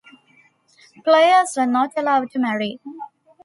Players were not allowed to marry.